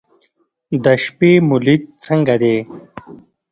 د شپې مو لید څنګه دی؟